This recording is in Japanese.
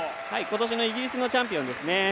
今年のイギリスのチャンピオンですね。